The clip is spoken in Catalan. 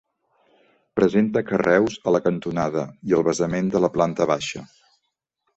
Presenta carreus a la cantonada i al basament de la planta baixa.